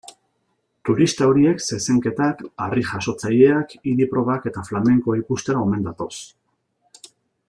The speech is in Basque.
Turista horiek zezenketak, harri-jasotzaileak, idi-probak eta flamenkoa ikustera omen datoz.